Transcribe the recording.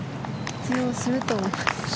通用すると思います。